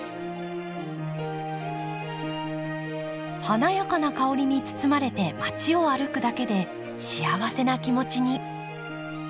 華やかな香りに包まれて街を歩くだけで幸せな気持ちに。